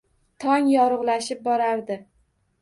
Tong yorug`lashib borardi